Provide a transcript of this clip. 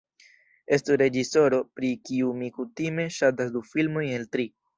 Estu reĝisoro, pri kiu mi kutime ŝatas du filmojn el tri.